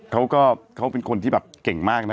เขาก็เขาเป็นคนที่แบบเก่งมากนะ